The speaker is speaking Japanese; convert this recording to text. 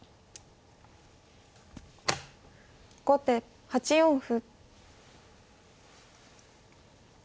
後手８四歩。